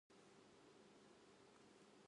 肌寒い。